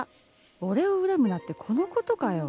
俺を恨むなってこの事かよ